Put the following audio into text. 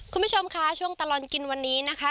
คุณผู้ชมค่ะช่วงตลอดกินวันนี้นะคะ